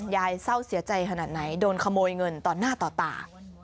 เศร้าเสียใจขนาดไหนโดนขโมยเงินต่อหน้าต่อตา